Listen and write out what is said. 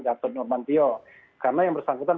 gatot nyur bantio karena yang bersangkutan